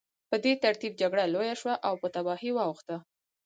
په دې ترتیب جګړه لویه شوه او په تباهۍ واوښته